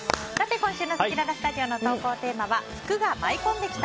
今週のせきららスタジオの投稿テーマは福が舞い込んできた！